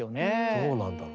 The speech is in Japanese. どうなんだろう？